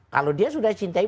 kalau dia sudah cintai